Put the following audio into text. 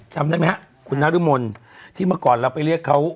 จำได้ไหมฮะคุณนะริมลที่มาก่อนเราไปเรียกเขา